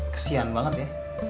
kesian banget ya